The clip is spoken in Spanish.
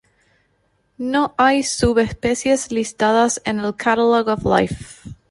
No hay subespecies listadas en el Catalogue of Life.